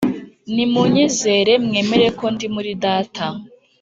Nimunyizere mwemere ko ndi muri Data